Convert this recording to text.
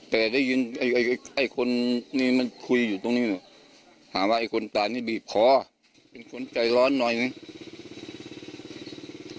แต่ได้ยินไอ้คนนี้มันคุยอยู่ตรงนี้หาว่าไอ้คนตายนี่บีบคอเป็นคนใจร้อนหน่อยไหม